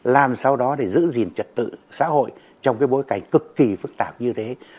làm sao đó để giữ gìn trật tự xã hội trong cái bối cảnh cực kỳ phức tạp như thế